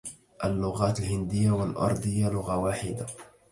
اللغات الهندية والأردية لغة واحدة.